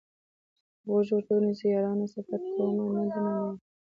که غوږ ورته ونیسئ یارانو صفت کومه د نامیانو.